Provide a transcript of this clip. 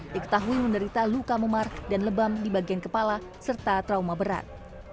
diketahui menderita luka memar dan lebam di bagian kepala serta trauma berat